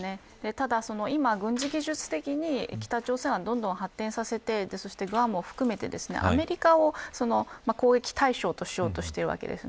ただ、今、軍事技術的に北朝鮮はどんどん発展させてグアムも含めてアメリカを攻撃対象としようとしているわけです。